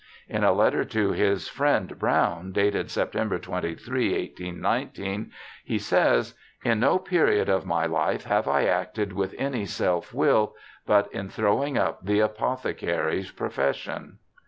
In a letter to his friend Brown, dated September 23, 1819, he says, ' In no period of my life have I acted with any self will but in throwing up the apothecary profession.'